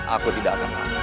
aku tidak akan maaf